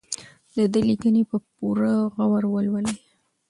د ده لیکنې په پوره غور ولولو.